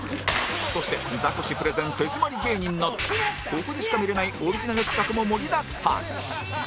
そしてザコシプレゼン手詰まり芸人などここでしか見れないオリジナル企画も盛りだくさん